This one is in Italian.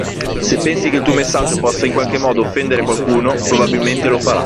Se pensi che il tuo messaggio possa in qualche modo offendere qualcuno, probabilmente lo farà.